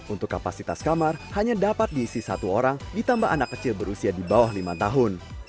untuk kapasitas kamar hanya dapat diisi satu orang ditambah anak kecil berusia di bawah lima tahun